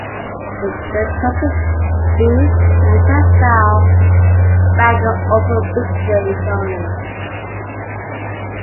The token booth and turnstile bank are open weekdays only.